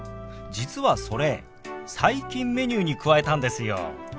実はそれ最近メニューに加えたんですよ。